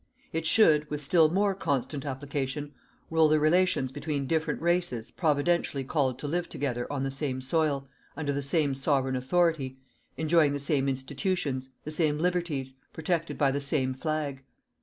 It should, with still more constant application, rule the relations between different races Providentially called to live together on the same soil, under the same Sovereign authority, enjoying the same institutions, the same liberties, protected by the same flag.